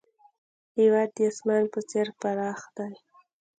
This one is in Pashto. هېواد د اسمان په څېر پراخ دی.